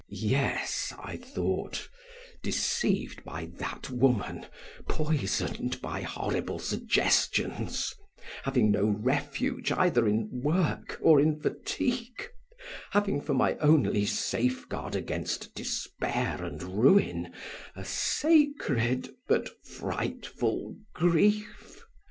"Yes," I thought, "deceived by that woman, poisoned by horrible suggestions, having no refuge either in work or in fatigue, having for my only safeguard against despair and ruin, a sacred but frightful grief.